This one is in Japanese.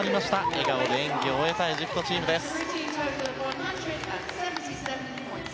笑顔で演技を終えたエジプトチームです。